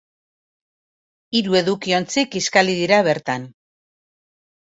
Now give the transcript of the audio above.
Hiru edukiontzi kiskali dira bertan.